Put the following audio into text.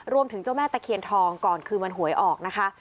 เจ้าแม่ตะเคียนทองก่อนคืนวันหวยออกนะคะ